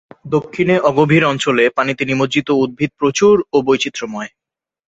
দক্ষিণে অগভীর অঞ্চলে পানিতে নিমজ্জিত উদ্ভিদ প্রচুর ও বৈচিত্র্যময়।